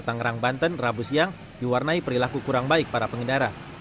tangerang banten rabu siang diwarnai perilaku kurang baik para pengendara